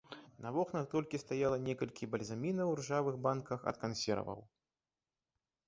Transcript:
На вокнах толькі стаяла некалькі бальзамінаў у ржавых банках ад кансерваў.